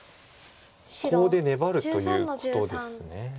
コウで粘るということです。